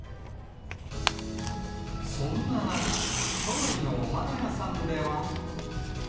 そんな中、都内のお花屋さんでは。